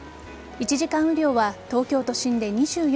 １時間雨量は東京都心で２４ｍｍ